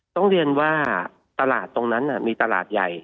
ต้องเรียนว่าตลาดตรงนั้นมีตลาดใหญ่